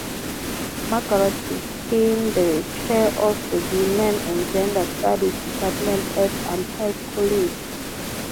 Margaret became the chair of the women and gender studies department at Amherst College.